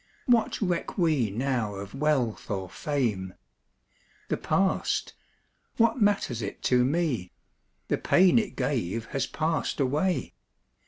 What reck we now of wealth or fame? The past what matters it to me? The pain it gave has passed away.